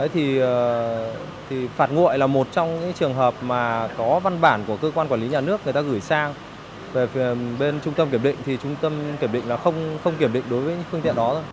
thì phạt nguội là một trong những trường hợp mà có văn bản của cơ quan quản lý nhà nước người ta gửi sang về bên trung tâm kiểm định thì trung tâm kiểm định là không kiểm định đối với những phương tiện đó